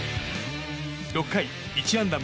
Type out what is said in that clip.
６回１安打